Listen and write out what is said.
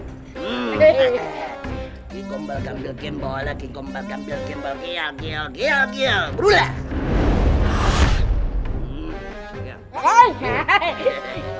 hmm kikombalkan bel kembal kikombalkan bel kembal kial kial kial kial berulang